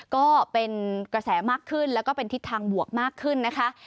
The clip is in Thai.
ก็เป็นกระแสมากขึ้นแล้วก็เป็นทิศทางบวกมากขึ้นนะคะ